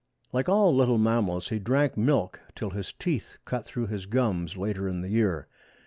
Like all little mammals he drank milk till his teeth cut through his gums later in the year.